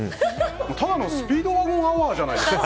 ただのスピードワゴンアワーじゃないですか。